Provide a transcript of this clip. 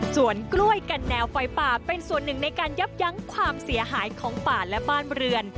ส่วนกล้วยกันแนวไฟป่าเป็นส่วนหนึ่งในการยับยั้งความเสียหายของป่าและบ้านเรือน